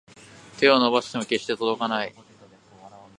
手を伸ばしても決して届かない